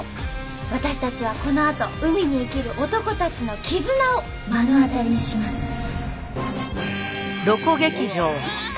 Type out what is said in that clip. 私たちはこのあと海に生きる男たちの絆を目の当たりにします。